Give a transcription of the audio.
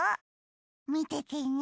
みててね。